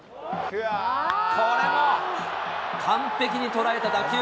これも完璧にとらえた打球。